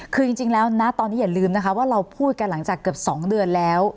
คือจริงแล้วนะตอนนี้อย่าลืมนะคะว่าเราพูดกันหลังจากเกือบ๒เดือนแล้ว